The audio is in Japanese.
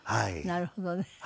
なるほどね。